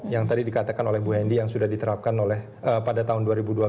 yang tadi dikatakan oleh bu hendy yang sudah diterapkan pada tahun dua ribu dua puluh